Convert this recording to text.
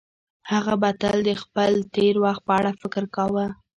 هغه به تل د خپل تېر وخت په اړه فکر کاوه.